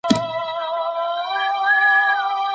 افغاني ولسواکي تر وارداتي ډیموکراسۍ ډېره مناسبه وه.